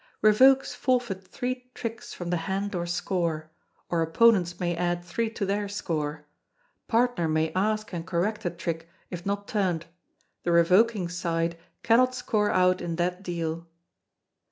[Revokes forfeit three tricks from the hand or score: or opponents may add three to their score; partner may ask and correct a trick if not turned; the revoking side cannot score out in that deal.